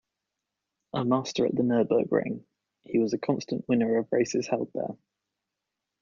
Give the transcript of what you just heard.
A master at the Nürburgring, he was a constant winner of races held there.